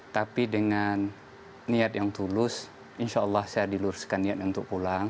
tapi dengan niat yang tulus insya allah saya diluruskan niat untuk pulang